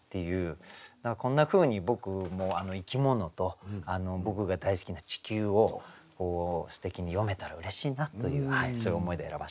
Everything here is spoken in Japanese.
こんなふうに僕も生き物と僕が大好きな地球をすてきに詠めたらうれしいなというそういう思いで選ばせて頂きました。